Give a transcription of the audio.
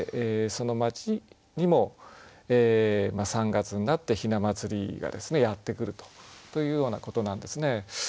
その街にも３月になってひな祭りがですねやってくるとというようなことなんですね。